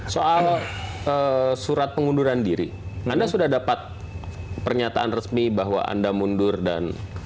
soal surat pengunduran diri anda sudah dapat pernyataan resmi bahwa anda mundur dan